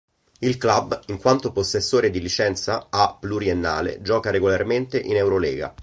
Il club, in quanto possessore di licenza A pluriennale, gioca regolarmente in Eurolega.